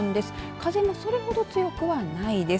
風もそれほど強くはないです。